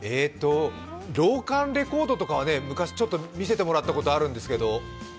ロウ管レコードとかは見せてもらったことがあるんですけど。